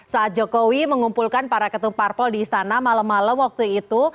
saat jokowi mengumpulkan para ketum parpol di istana malam malam waktu itu